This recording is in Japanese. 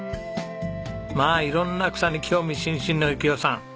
まあ色んな草に興味津々の育代さん。